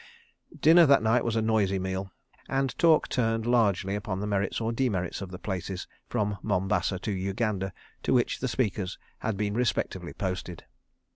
Dinner that night was a noisy meal, and talk turned largely upon the merits or demerits of the places from Mombasa to Uganda to which the speakers had been respectively posted.